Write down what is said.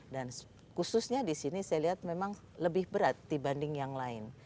dan khususnya di sini saya lihat memang lebih berat dibanding yang lain